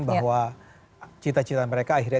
bahwa cita cita mereka akhirnya